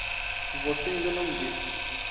Você ainda não me disse